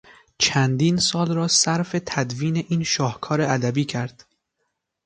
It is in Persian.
چندین سال را صرف تدوین این شاهکار ادبی کرد.